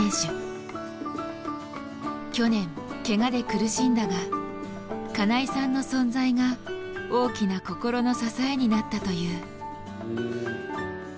去年ケガで苦しんだが金井さんの存在が大きな心の支えになったという。